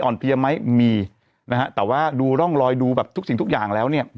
เพียไหมมีนะฮะแต่ว่าดูร่องรอยดูแบบทุกสิ่งทุกอย่างแล้วเนี่ย